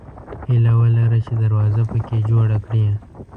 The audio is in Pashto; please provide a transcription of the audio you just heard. هیله ولره چې دروازه پکې جوړه کړې.